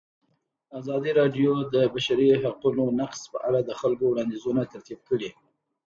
ازادي راډیو د د بشري حقونو نقض په اړه د خلکو وړاندیزونه ترتیب کړي.